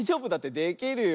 できるよ。